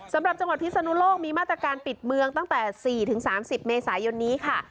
สำหรับจังหวัดพิศนุโลกมีมาตรการปิดเมืองตั้งแต่๔๓๐เมษายนนี้ค่ะ